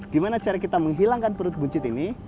gimana cara kita menghilangkan perut buncit ini